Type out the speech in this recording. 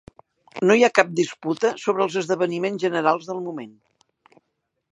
No hi ha cap disputa sobre els esdeveniments generals del moment.